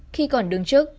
khi còn đứng trước